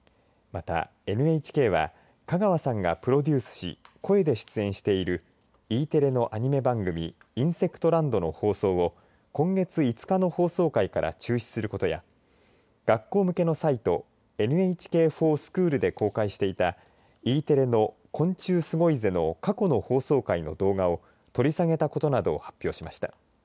また、ＮＨＫは香川さんがプロデュースし声で出演しているＥテレのアニメ番組インセクトランドの放送を今月５日の放送回から中止することや学校向けのサイトＮＨＫｆｏｒＳｃｈｏｏｌで公開していたＥテレの、昆虫すごいぜ！の過去の放送回の動画を取り下げたことなどを発表しました。